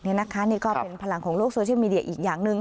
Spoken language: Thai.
นี่ก็เป็นพลังของโลกโซเชียลมีเดียอีกอย่างหนึ่ง